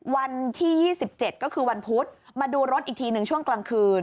วันที่๒๗ก็คือวันพุธมาดูรถอีกทีหนึ่งช่วงกลางคืน